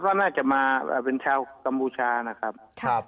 ครับเราจะมาการเป็นชาวกัมพูชานะครับ